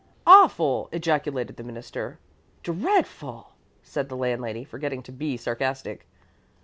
'" "Awful!" ejaculated the Minister. "Dreadful!" said the landlady, forgetting to be sarcastic.